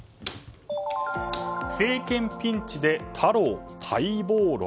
政権ピンチで太郎待望論？